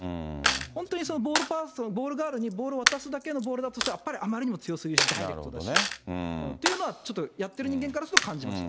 本当にボールパーソン、ボールガールにボールを渡すだけのボールだとしたら、やっぱりあまりにも強すぎる、ダイレクトだしっていうのは、やってる人間からは感じました。